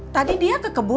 tadi dia ke kebun